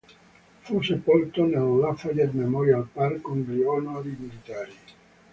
Fu sepolto nel Lafayette Memorial Park con gli onori militari.